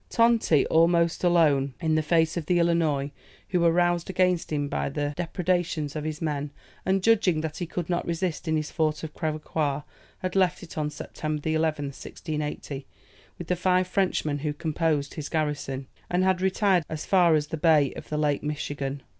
Tonti, almost alone in face of the Illinois, who were roused against him by the depredations of his men, and judging that he could not resist in his fort of Crèvecoeur, had left it on September 11th, 1680, with the five Frenchmen who composed his garrison, and had retired as far as the bay of the Lake Michigan.